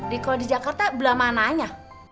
kalau di jakarta belah mananya